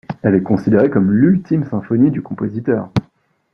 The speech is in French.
Elle est considérée comme l'ultime symphonie du compositeur.